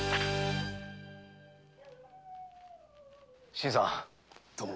新さんどうも。